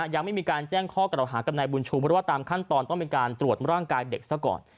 ยังไม่มีการแจ้งข้อกล่าวหากับนายบุญชูเพราะว่าตามขั้นตอนต้องเป็นการตรวจร่างกายเด็กซะก่อน